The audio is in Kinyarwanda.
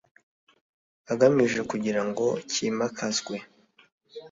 agamije kugira ngo cyimakazwe